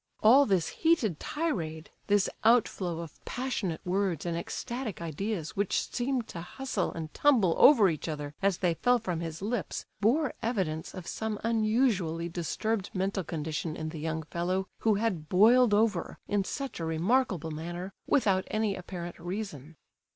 All this heated tirade, this outflow of passionate words and ecstatic ideas which seemed to hustle and tumble over each other as they fell from his lips, bore evidence of some unusually disturbed mental condition in the young fellow who had "boiled over" in such a remarkable manner, without any apparent reason.